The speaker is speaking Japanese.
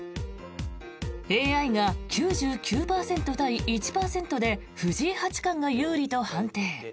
ＡＩが９９％対１％で藤井八冠が有利と判定。